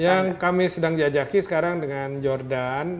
yang kami sedang jajaki sekarang dengan jordan